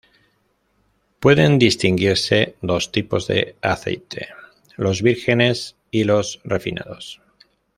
Pueden distinguirse dos tipos de aceite: los vírgenes y los refinados.